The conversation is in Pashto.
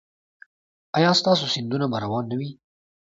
ایا ستاسو سیندونه به روان نه وي؟